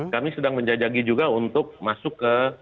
kami sedang menjajaki juga untuk masuk ke